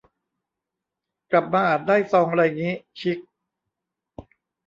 กลับมาอาจได้ซองไรงี้ ชิค